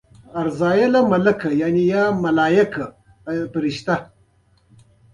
د ماشوم د ودې لپاره څه شی اړین دی؟